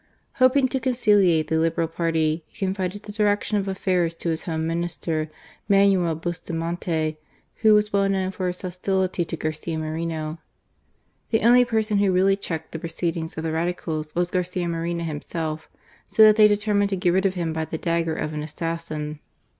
Hoping to conciliate the Liberal party, he confided the direction of affairs to his Home Minister, Manuel Bustamante, who was well known for his hostility to Garcia Moreno. The only person who really checked the pro THE ASSASSIN VITERI, 173 ceedings of the Radicals was Garcia Moreno himself, so that they determined to get rid of him by the dagger of an assassin.